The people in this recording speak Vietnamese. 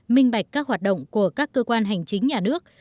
minh bạch các hoạt động của các cơ quan hành chính nhà nước